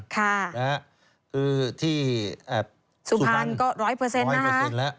ค่ะคือที่สุพรรณ๑๐๐แล้ว